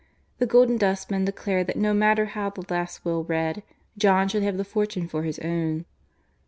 The Golden Dustman declared that, no matter how the last will read, John should have the fortune for his own.